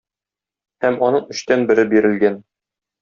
Һәм аның өчтән бере бирелгән.